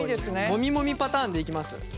モミモミパターンでいきます。